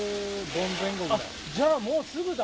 じゃあ、もうすぐだ。